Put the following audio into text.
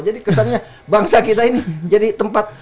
jadi kesannya bangsa kita ini jadi tempat